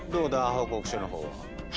報告書の方は。